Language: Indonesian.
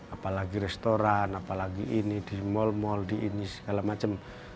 apalagi restoran apalagi ini di mal mal di ini segala macam